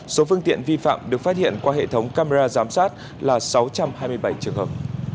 số phương tiện vi phạm được phát hiện qua hệ thống camera giám sát là sáu trăm hai mươi bảy trường hợp